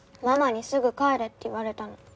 ママにすぐ帰れって言われたの。